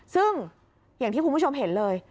ซึ่งอย่างที่คุณผู้ชมเห็นเลย